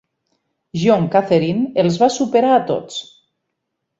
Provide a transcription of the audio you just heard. John Catherine els va superar a tots.